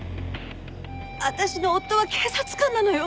私の夫は警察官なのよ。